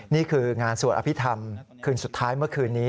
นี่คืองานสวดอภิษฐรรมคืนสุดท้ายเมื่อคืนนี้